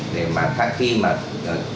để mà khi mà tiêm chủng